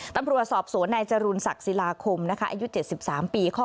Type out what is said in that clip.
ตำรวจสอบสวนไหนจรุณศักดิ์ศิลาคมอายุ๗๓ปี